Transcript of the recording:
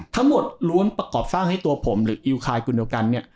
ทั้งหมดรวมประกอบสร้างเลือกชาววิชาคุณเดียวกัน